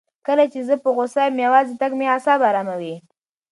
کله چې زه په غوسه یم، یوازې تګ مې اعصاب اراموي.